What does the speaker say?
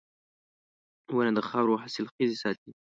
• ونه د خاورو حاصلخېزي ساتي.